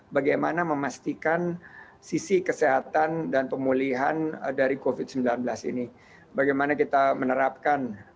bagaimana memastikan sisi kesehatan dan pemulihan dari covid sembilan belas ini bagaimana kita menerapkan